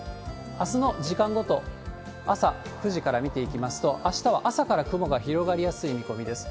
あすの時間ごと、朝９時から見ていきますと、あしたは朝から雲が広がりやすい見込みです。